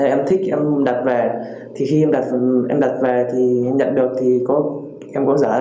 em thích em đặt về thì khi em đặt về thì em nhận được thì em có giá